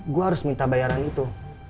gue harus minta bayaran itu